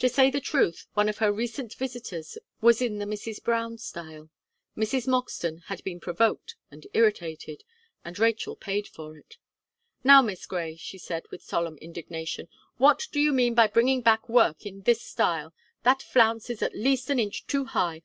To say the truth, one of her recent visitors was in the Mrs. Brown style; Mrs. Moxton had been provoked and irritated; and Rachel paid for it. "Now, Miss Gray," she said, with solemn indignation, "what do you mean by bringing back work in this style? That flounce is at least an inch too high!